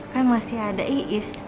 kan masih ada iis